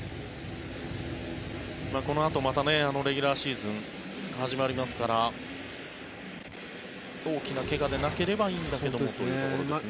このあとまたレギュラーシーズン始まりますから大きな怪我でなければいいんだけれどもというところですね。